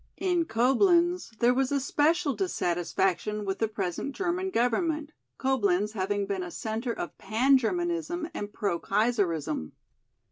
In Coblenz there was especial dissatisfaction with the present German government, Coblenz having been a centre of pan Germanism and pro Kaiserism.